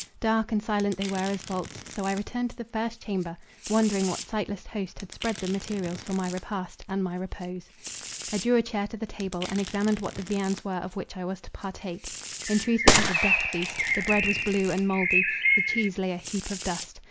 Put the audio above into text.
Dark and silent they were as vaults; so I returned to the first chamber, wondering what sightless host had spread the materials for my repast, and my repose. I drew a chair to the table, and examined what the viands were of which I was to partake. In truth it was a death feast! The bread was blue and mouldy; the cheese lay a heap of dust.